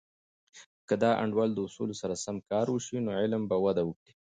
که د انډول د اصولو سره سم کار وسي، نو علم به وده وکړي.